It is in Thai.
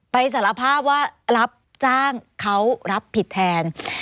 สารภาพว่ารับจ้างเขารับผิดแทน